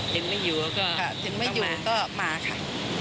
ถึงไม่อยู่ก็มาค่ะ